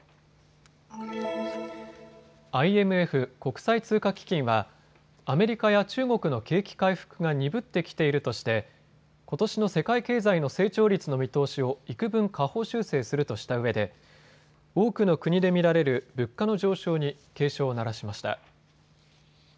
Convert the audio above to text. ＩＭＦ・国際通貨基金はアメリカや中国の景気回復が鈍ってきているとしてことしの世界経済の成長率の見通しをいくぶん下方修正するとしたうえで多くの国で見られる物価の上昇に警鐘を鳴らしました。